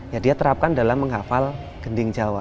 ya dia terapkan dalam menghafal gending jawa